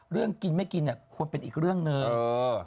เรื่องกินไม่กินควรเป็นอีกเรื่องเนิน